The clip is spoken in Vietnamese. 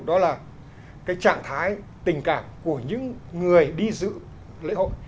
đó là cái trạng thái tình cảm của những người đi dự lễ hội